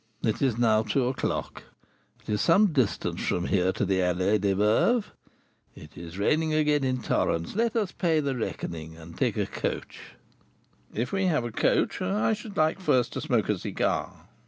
It is now two o'clock; it is some distance from here to the Allée des Veuves; it is raining again in torrents; let us pay the reckoning and take a coach." "If we have a coach, I should like first to smoke a cigar."